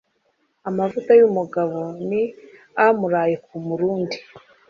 Amavuta y’umugabo ni amuraye ku murundi.